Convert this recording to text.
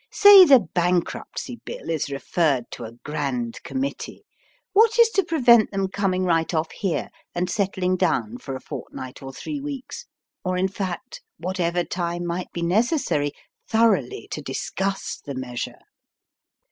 Say the Bankruptcy Bill is referred to a grand committee. What is to prevent them coming right off here and settling down for a fortnight or three weeks, or in fact whatever time might be necessary thoroughly to discuss the measure?"